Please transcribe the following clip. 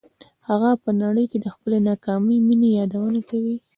هغه په نړۍ کې د خپلې ناکامې مینې یادونه کوي